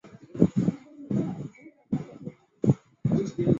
贩售高阶电器用品